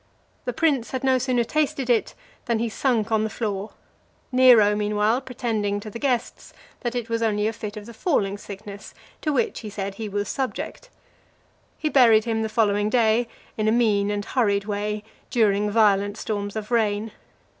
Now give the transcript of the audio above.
The prince had no sooner tasted it than he sunk on the floor, Nero meanwhile, pretending to the guests, that it was only a fit of the falling sickness, to which, he said, he was subject. He buried him the following day, in a mean and hurried way, during violent storms of rain.